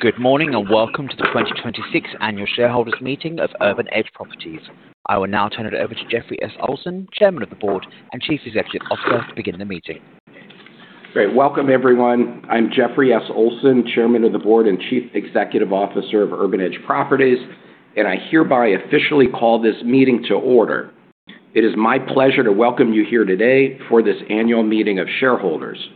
Good morning. Welcome to the 2026 annual shareholders meeting of Urban Edge Properties. I will now turn it over to Jeffrey S. Olson, Chairman of the Board and Chief Executive Officer, to begin the meeting. Great. Welcome, everyone. I'm Jeffrey S. Olson, Chairman of the Board and Chief Executive Officer of Urban Edge Properties, and I hereby officially call this meeting to order. It is my pleasure to welcome you here today for this annual meeting of shareholders.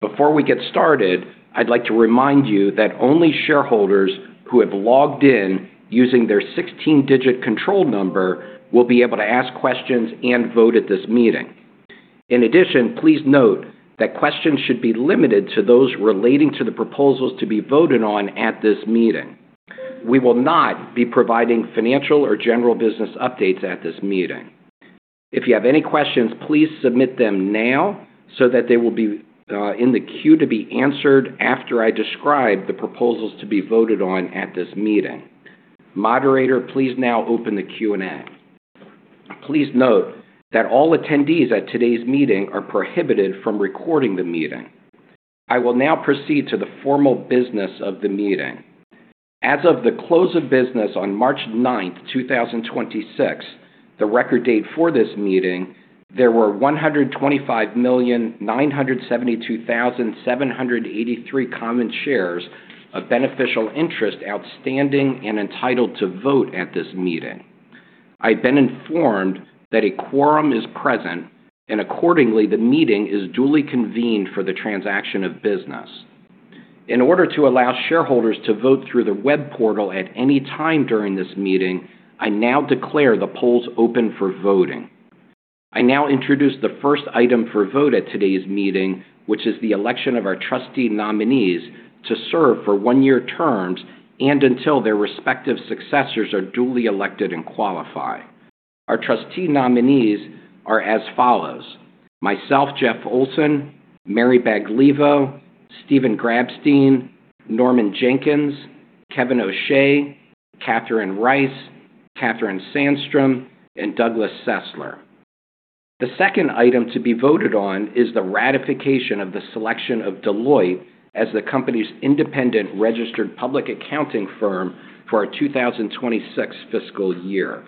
Before we get started, I'd like to remind you that only shareholders who have logged in using their 16-digit control number will be able to ask questions and vote at this meeting. In addition, please note that questions should be limited to those relating to the proposals to be voted on at this meeting. We will not be providing financial or general business updates at this meeting. If you have any questions, please submit them now so that they will be in the queue to be answered after I describe the proposals to be voted on at this meeting. Moderator, please now open the Q&A. Please note that all attendees at today's meeting are prohibited from recording the meeting. I will now proceed to the formal business of the meeting. As of the close of business on March 9th, 2026, the record date for this meeting, there were 125,972,783 common shares of beneficial interest outstanding and entitled to vote at this meeting. I've been informed that a quorum is present, and accordingly, the meeting is duly convened for the transaction of business. In order to allow shareholders to vote through the web portal at any time during this meeting, I now declare the polls open for voting. I now introduce the first item for vote at today's meeting, which is the election of our trustee nominees to serve for one-year terms and until their respective successors are duly elected and qualify. Our trustee nominees are as follows: myself, Jeff Olson, Mary Baglivo, Steven H. Grapstein, Norman Jenkins, Kevin O'Shea, Catherine D. Rice, Katherine Sandstrom, and Douglas W. Sesler. The second item to be voted on is the ratification of the selection of Deloitte as the company's independent registered public accounting firm for our 2026 fiscal year.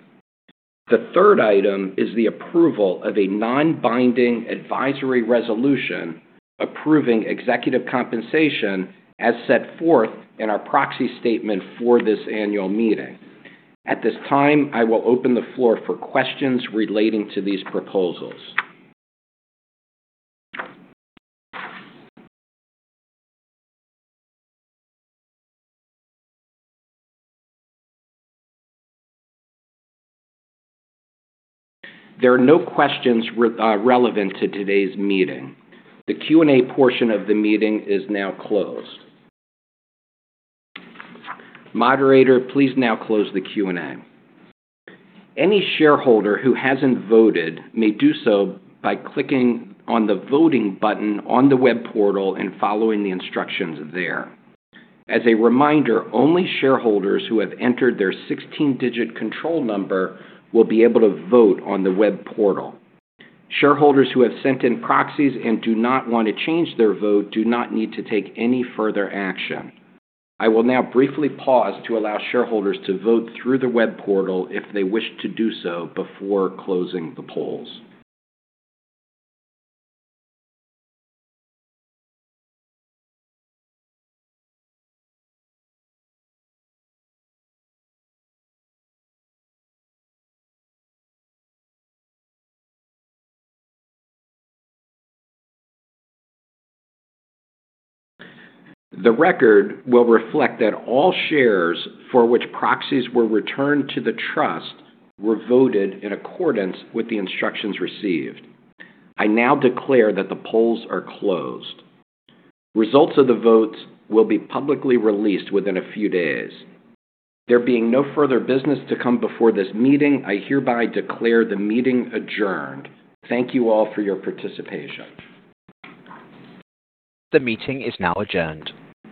The third item is the approval of a non-binding advisory resolution approving executive compensation as set forth in our proxy statement for this annual meeting. At this time, I will open the floor for questions relating to these proposals. There are no questions relevant to today's meeting. The Q&A portion of the meeting is now closed. Moderator, please now close the Q&A. Any shareholder who hasn't voted may do so by clicking on the Voting button on the web portal and following the instructions there. As a reminder, only shareholders who have entered their 16-digit control number will be able to vote on the web portal. Shareholders who have sent in proxies and do not want to change their vote do not need to take any further action. I will now briefly pause to allow shareholders to vote through the web portal if they wish to do so before closing the polls. The record will reflect that all shares for which proxies were returned to the trust were voted in accordance with the instructions received. I now declare that the polls are closed. Results of the votes will be publicly released within a few days. There being no further business to come before this meeting, I hereby declare the meeting adjourned. Thank you all for your participation. The meeting is now adjourned.